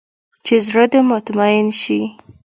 چې زړه دې مطمين سي.